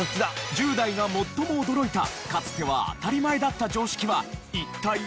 １０代が最も驚いたかつては当たり前だった常識は一体どっち？